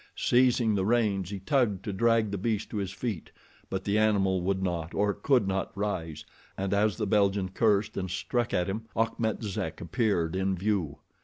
Seizing the reins he tugged to drag the beast to his feet; but the animal would not or could not rise, and as the Belgian cursed and struck at him, Achmet Zek appeared in view.